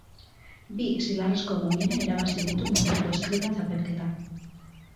Bi zilarrezko domina irabazi ditu Munduko Eskrima Txapelketan